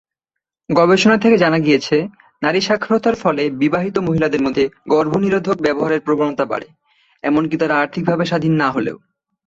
গবেষণা থেকে জানা গিয়েছে, নারী সাক্ষরতার ফলে বিবাহিত মহিলাদের মধ্যে গর্ভনিরোধক ব্যবহারের প্রবণতা বাড়ে, এমনকি তাঁরা আর্থিকভাবে স্বাধীন না হলেও।